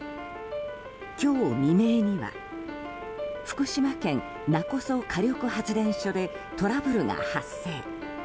今日未明には、福島県勿来火力発電所でトラブルが発生。